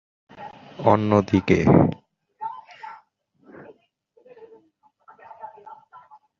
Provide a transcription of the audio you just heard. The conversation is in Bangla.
অন্যদিকে জিনি সহগের মান উচ্চ হলে তা আয় বা সম্পদের বিতরণে অধিকতর অসমতা নির্দেশ করে।